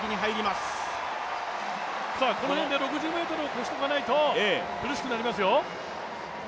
この辺で６０ｍを超しておかないと苦しくなりますよ。